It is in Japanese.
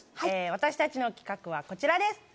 私たちの企画はこちらです。